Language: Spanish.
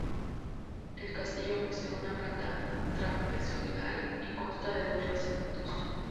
El castillo posee una planta trapezoidal y consta de dos recintos.